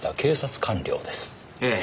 ええ。